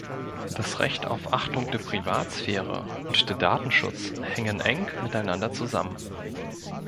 Das Recht auf Achtung der Privatsphäre und der Datenschutz hängen eng miteinander zusammen.